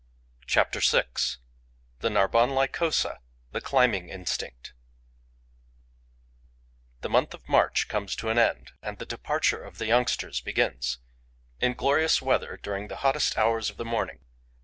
CHAPTER VI: THE NARBONNE LYCOSA: THE CLIMBING INSTINCT The month of March comes to an end; and the departure of the youngsters begins, in glorious weather, during the hottest hours of the morning.